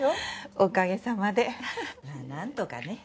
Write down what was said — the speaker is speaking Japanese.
おかげさまでまぁなんとかね。